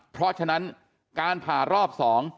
เพราะฉะนั้นการผ่ารอบ๒